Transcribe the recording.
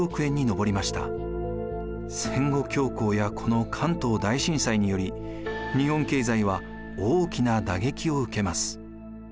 戦後恐慌やこの関東大震災により日本経済は大きな打撃を受けます。